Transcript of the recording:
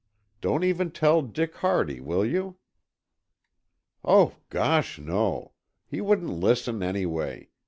Don't even tell Dick Hardy, will you?" "Oh, gosh, no! He wouldn't listen, anyway.